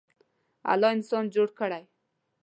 الله انسان جوړ کړی.